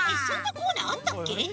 コーナーあったっけ？